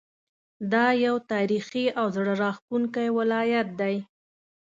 دا یو تاریخي او زړه راښکونکی ولایت دی.